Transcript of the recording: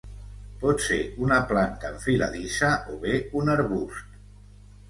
Pot ser una planta enfiladissa o bé un arbust.